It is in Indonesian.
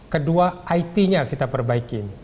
kedua it nya kita perbaikin